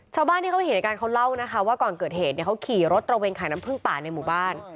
ชาวบ้านที่เขาเห็นในการเขาเล่านะคะว่าก่อนเกิดเหตุเนี่ยเขาขี่รถตระเวนขายน้ำพึ่งป่าในหมู่บ้าน